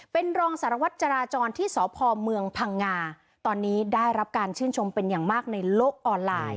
เป็นรองสารวัตรจราจรที่สพเมืองพังงาตอนนี้ได้รับการชื่นชมเป็นอย่างมากในโลกออนไลน์